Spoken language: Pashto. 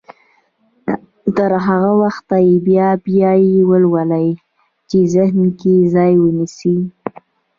تر هغه وخته يې بيا بيا يې ولولئ چې ذهن کې ځای ونيسي.